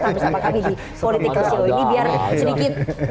terhabis sama kami di politik keseluruh ini biar sedikit lebar